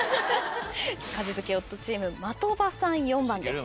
家事好き夫チーム的場さん４番です。